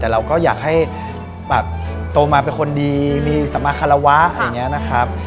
แต่เราก็อยากให้แบบโตมาเป็นคนดีมีสมาคารวะอย่างนี้นะครับ